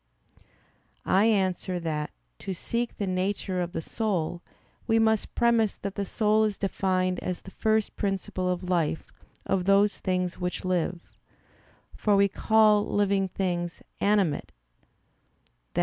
I answer that, To seek the nature of the soul, we must premise that the soul is defined as the first principle of life of those things which live: for we call living things "animate," [*i.